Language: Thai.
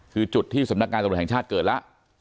คือจุดที่สำนักงานตำรวจแห่งชาติเกิดแล้ว